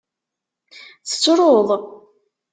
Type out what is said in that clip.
Tettruḍ?